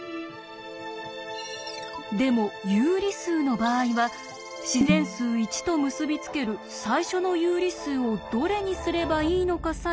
でも有理数の場合は自然数「１」と結び付ける最初の有理数をどれにすればいいのかさえ